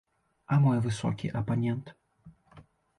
А мой высокі апанент?